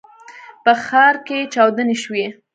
په ښار کې چاودنې شوي.